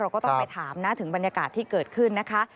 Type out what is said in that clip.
ก็ต้องไปถามนะถึงบรรยากาศที่เกิดขึ้นนะคะ